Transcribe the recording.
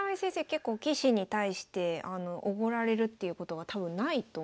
結構棋士に対しておごられるっていうことが多分ないと思うんですよ。